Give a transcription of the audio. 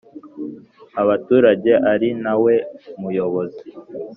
abaturage ari na we Muyobozi